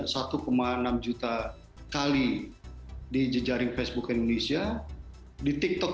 rusia dengan ukraina ini menyentuh angka yang sangat fantastis